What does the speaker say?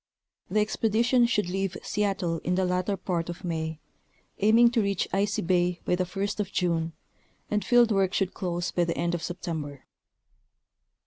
The expedition should leave Seattle in the latter part of May, aiming to reach Icy bay by the first of June, and field work should close by the end of September.